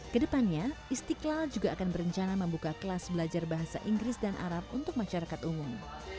kedepannya istiqlal juga akan berencana membuka kelas belajar bahasa inggris dan arab untuk masyarakat umum